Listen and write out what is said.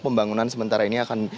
pembangunan sementara ini akan